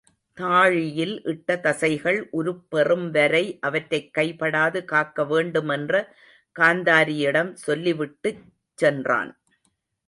தாழியில் இட்ட தசைகள் உருப்பெறும் வரை அவற்றைக் கைபடாது காக்க வேண்டும் என்ற காந்தாரி யிடம் சொல்லிவிட்டுச் சென்றான்.